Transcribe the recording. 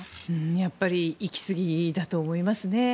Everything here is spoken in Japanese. やっぱり行きすぎだと思いますね。